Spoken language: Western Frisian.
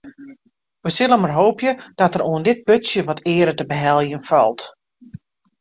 We sille mar hoopje dat der oan dit putsje wat eare te beheljen falt.